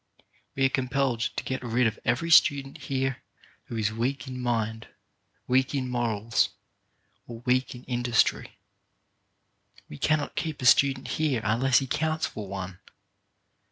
We are com pelled to get rid of every student here who is weak in mind, weak in morals, or weak in in dustry. We cannot keep a student here unless he counts for one.